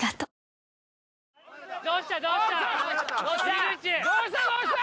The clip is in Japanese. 井口どうしたどうした？